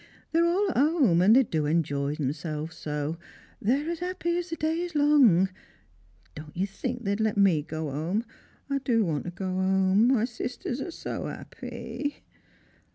They're all at 'ome, and they do enjoy themselves so; they're as 'appy as the day is long. Don't you think they'd let me go 'ome ? I do want to go 'ome ; my «isters are so 'appy."